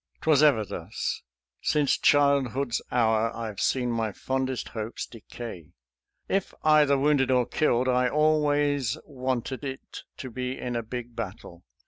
" 'Twas ever thus since childhood's hour I've seen my fondest hopes decay." If either wounded or killed, I always wanted it to be in a big battle.